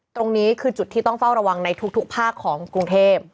ตรงนี้คือจุดที่ต้องเฝ้าระวังในทุกภาคของกรุงเทพ